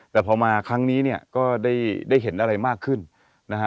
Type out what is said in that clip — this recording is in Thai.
แต่พอมาครั้งนี้เนี่ยก็ได้เห็นอะไรมากขึ้นนะฮะ